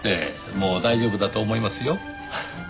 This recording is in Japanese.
もう大丈夫だと思いますよ。